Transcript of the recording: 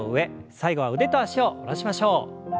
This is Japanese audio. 最後は腕と脚を戻しましょう。